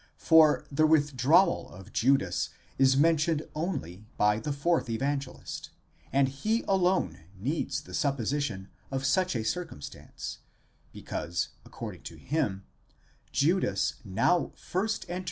For the withdrawal of Judas is mentioned only by the fourth Evangelist ; and he alone needs the supposition of such a circumstance, because, according to him, Judas now first entered into his 16 Comp.